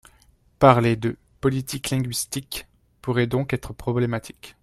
Parler de, politique linguistique, pourrait donc être problématique.